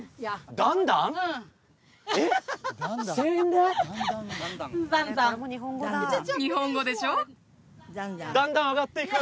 ダンダンだんだん上がっていく？